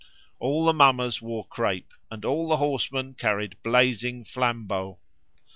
All the mummers wore crape, and all the horsemen carried blazing flambeaux.